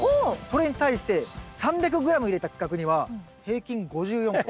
それに対して３００ｇ入れた区画には平均５４個。